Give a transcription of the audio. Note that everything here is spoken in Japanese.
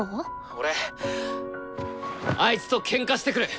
俺あいつとケンカしてくる。